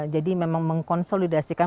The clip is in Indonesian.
jadi memang mengkonsolidasikan